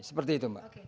seperti itu mbak